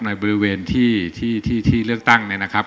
ในบริเวณที่เลือกตั้งเนี่ยนะครับ